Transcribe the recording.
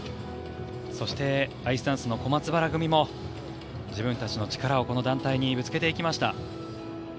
そしてアイスダンスの小松原組も自分たちの力をこの団体にぶつけていきました。